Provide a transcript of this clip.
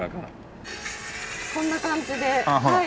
こんな感じではい。